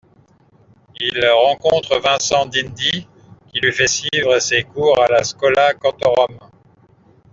Il rencontre Vincent d'Indy qui lui fait suivre ses cours à la Schola Cantorum.